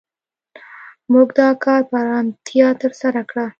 موږ دا کار په آرامتیا تر سره کړ.